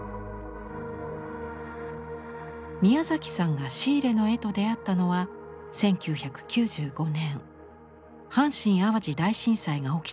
宮崎さんがシーレの絵と出会ったのは１９９５年阪神淡路大震災が起きた年。